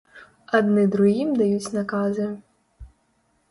Адны другім даюць наказы.